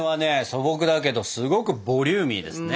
素朴だけどすごくボリューミーですね。